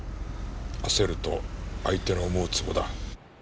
焦ると相手の思うつぼだ。